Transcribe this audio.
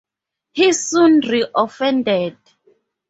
He soon reoffended.